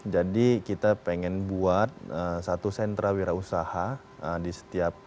jadi kita pengen buat satu sentra wira usaha di setiap